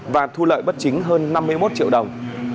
và thu lợi bất chính hơn năm mươi một triệu đồng